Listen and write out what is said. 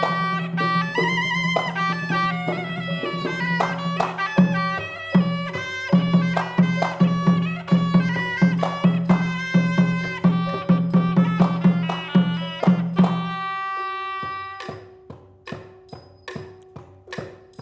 กลับไปก่อนที่สุดท้าย